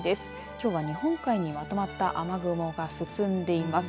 きょうは日本海にまとまった雨雲が進んでいます。